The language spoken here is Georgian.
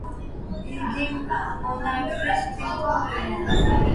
იგი მონარქის ტიტულია.